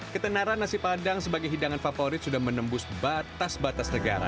ketenaran nasi padang sebagai hidangan favorit sudah menembus batas batas negara